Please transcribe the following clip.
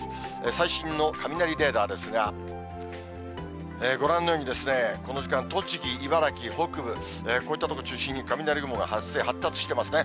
最新の雷レーダーですが、ご覧のように、この時間、栃木、茨城北部、こういった所を中心に雷雲が発生、発達してますね。